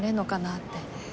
って。